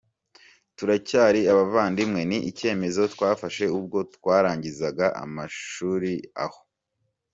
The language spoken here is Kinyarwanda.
turacyari abavandimwe, ni icyemezo twafashe ubwo twarangizaga amashuri aho